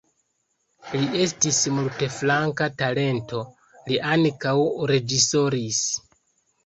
Li estis multflanka talento, li ankaŭ reĝisoris.